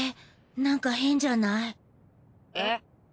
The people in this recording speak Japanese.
なんか変じゃない？えっ？